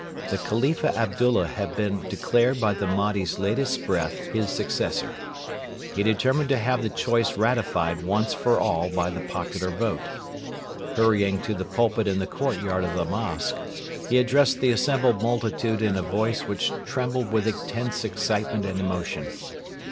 The Khalifa Abdullah had been declared by the Mahdi's latest breath his successor. He determined to have the choice ratified once for all by the popular vote. Hurrying to the pulpit in the courtyard of the mosque, he addressed the assembled multitude in a voice which trembled with intense excitement and emotion.